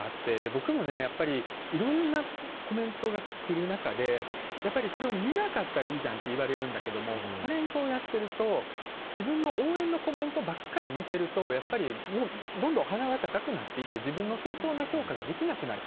僕もやっぱりいろんなコメントが来る中でこれを見なかったらいいじゃんって言われるんだけれどもタレントをやっていると自分の応援のコメントばかり見てるとどんどん鼻が高くなっていって自分の正当な評価ができなくなる。